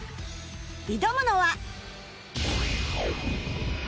挑むのは